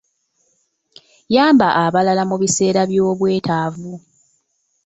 Yamba abalala mu biseera by'obwetaavu.